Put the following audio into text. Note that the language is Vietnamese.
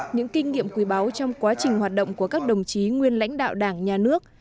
những kinh nghiệm quý báu trong quá trình hoạt động của các đồng chí nguyên lãnh đạo đảng nhà nước